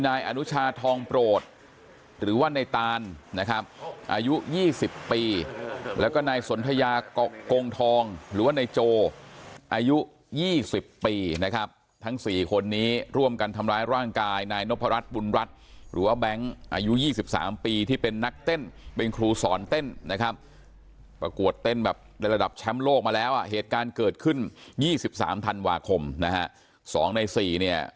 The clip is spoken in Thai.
นะครับอายุยี่สิบปีแล้วก็นายสนทยากกงทองหรือว่าในโจอายุยี่สิบปีนะครับทั้งสี่คนนี้ร่วมกันทำร้ายร่างกายนายนพระรัชบุรรณรัชหรือว่าแบงค์อายุยี่สิบสามปีที่เป็นนักเต้นเป็นครูสอนเต้นนะครับประกวดเต้นแบบในระดับแชมป์โลกมาแล้วอ่ะเหตุการณ์เกิดขึ้นยี่สิบสามธันวาคมนะฮะสองในสี่เนี่ย